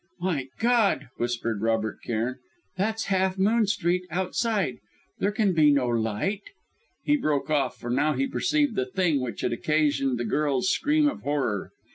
"My God!" whispered Robert Cairn "that's Half Moon Street outside. There can be no light " He broke off, for now he perceived the Thing which had occasioned the girl's scream of horror.